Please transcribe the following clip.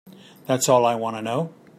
That's all I want to know.